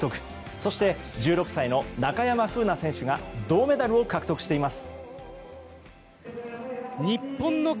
そして、１６歳の中山楓奈選手が銅メダルを獲得しています。